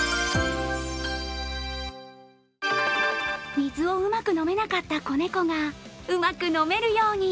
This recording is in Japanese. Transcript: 水をうまく飲めなかった子猫がうまく飲めるように。